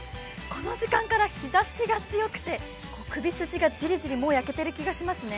この時間から日ざしが強くて首筋がじりじり焼けている気がしますね。